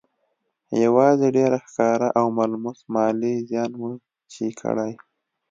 يوازې ډېر ښکاره او ملموس مالي زيان مو چې کړی